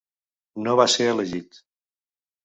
No va ser elegit.